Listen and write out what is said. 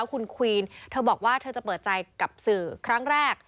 คุณควีนเธอบอกว่าเธอจะเปิดใจกับสื่อครั้งแรก